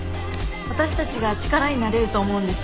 私たちが力になれると思うんです。